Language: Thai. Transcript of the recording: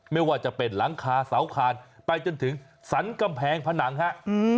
ไม่ว่าจะเป็นหลังคาเสาคานไปจนถึงสรรกำแพงผนังฮะ